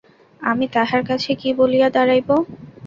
আমি তাহার কাছে কী বলিয়া দাঁড়াইব।